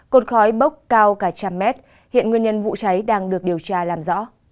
cột khói bốc cao cả trăm mét hiện nguyên nhân vụ cháy đang được điều tra làm rõ